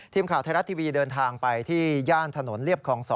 ทีมข่าวไทยรัฐทีวีเดินทางไปที่ย่านถนนเรียบคลอง๒